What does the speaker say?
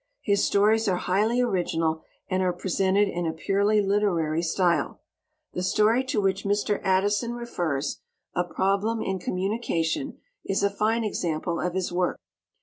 His stories are highly original and are presented in a purely literary style. The story to which Mr. Addison refers, "A Problem in Communication," is a fine example of his work.